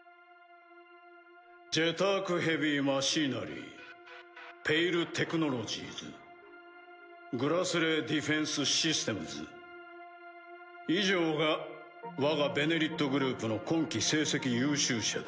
「ジェターク・ヘビー・マシーナリー」「ペイル・テクノロジーズ」「グラスレー・ディフェンス・システムズ」以上が我が「ベネリット」グループの今期成績優秀社だ。